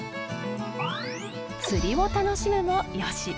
釣りを楽しむもよし。